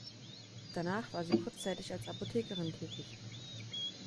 Danach war sie kurzzeitig als Apothekerin tätig.